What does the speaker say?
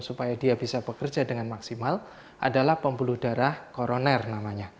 supaya dia bisa bekerja dengan maksimal adalah pembuluh darah koroner namanya